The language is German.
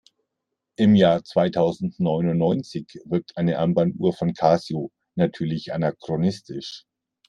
Im Jahr zweitausendneunundneunzig wirkt eine Armbanduhr von Casio natürlich anachronistisch.